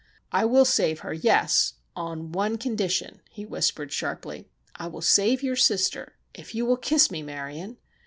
"I will save her, yes—on one condition," he whispered, sharply. "I will save your sister if you will kiss me, Marion!